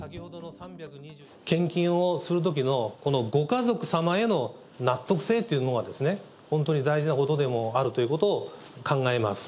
献金をするときのこのご家族様への納得性っていうのが、本当に大事なことでもあるということを考えます。